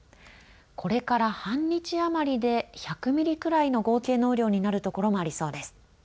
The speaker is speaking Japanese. これから半日余りで１００ミリくらいの合計の雨量になるところもありそうです。